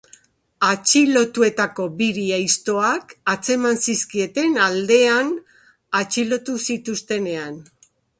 Atxilotuetako biri aiztoak atzeman zizkieten aldean atxilotu zituztenean.